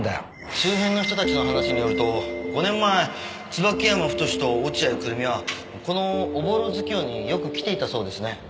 周辺の人たちの話によると５年前椿山太と落合久瑠実はこのおぼろ月夜によく来ていたそうですね。